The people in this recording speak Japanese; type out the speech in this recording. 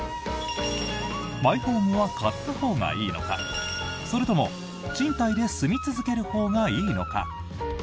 マイホームは買ったほうがいいのかそれとも賃貸で住み続けるほうがいいのか。